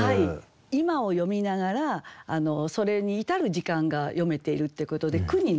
今を詠みながらそれに至る時間が詠めているっていうことで句にね